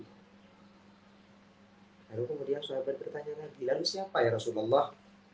hai baru kemudian sobat bertanya lagi lalu siapa ya rasulullah